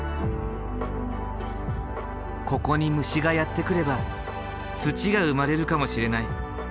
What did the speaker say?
ここに虫がやって来れば土が生まれるかもしれない。